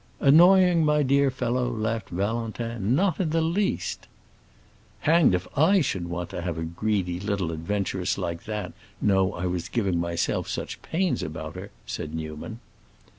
"Annoying, my dear fellow," laughed Valentin; "not the least!" "Hanged if I should want to have a greedy little adventuress like that know I was giving myself such pains about her!" said Newman.